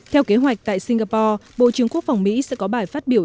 theo kế hoạch tại singapore bộ trưởng quốc phòng mỹ sẽ có bài phát biểu